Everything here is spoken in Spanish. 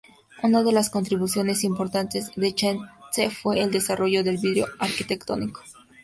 Una de las contribuciones importantes de Chance fue el desarrollo del vidrio arquitectónico.